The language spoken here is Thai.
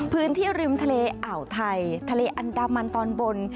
พื้นที่ริมทะเลอ่าวไทยทะเลอันดามันตอนบน